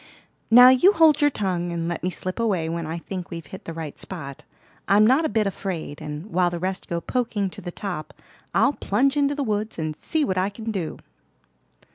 Now you hold your tongue, and let me slip away when I think we've hit the right spot. I'm not a bit afraid, and while the rest go poking to the top, I'll plunge into the woods and see what I can do."